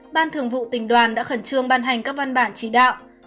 ban thường vụ tỉnh đoàn đã khẩn trương ban hành các văn bản chỉ đạo